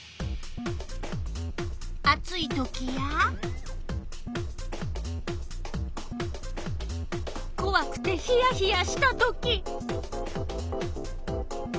暑いときやこわくてひやひやしたとき。